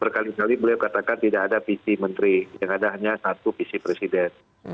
berkali kali beliau katakan tidak ada visi menteri yang ada hanya satu visi presiden